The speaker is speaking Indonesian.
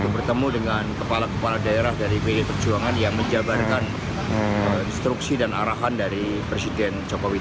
bertemu dengan kepala kepala daerah dari pdi perjuangan yang menjabarkan instruksi dan arahan dari presiden jokowi